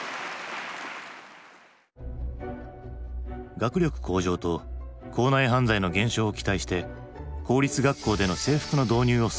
学力向上と校内犯罪の減少を期待して公立学校での制服の導入を推奨したのだ。